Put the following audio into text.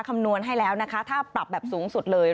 คำนวณให้แล้วนะคะถ้าปรับแบบสูงสุดเลย